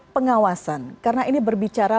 pengawasan karena ini berbicara